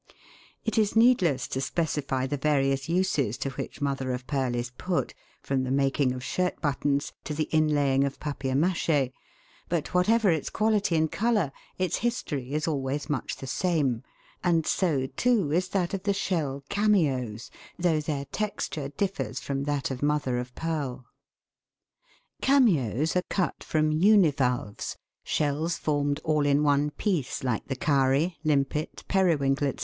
It is needless to specify the various uses to which mother of pearl is put, from the making of shirt buttons, to the inlaying of papier m&che ; but whatever its quality and colour, its history is always much the same, and so, too, is that of the shell cameos, though their texture differs from that of mother of pearl. Cameos are cut from univalves shells formed all in one piece, like the cowry, limpet, periwinkle, &c.